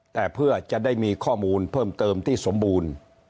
แต่เพื่อจะได้มีข้อมูลเพิ่มเติมที่สมบูรณ์